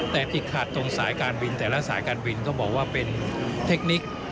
แต่ติดขัดตรงสายการบินแต่ละสายการบินก็บอกว่าเป็นเทคนิค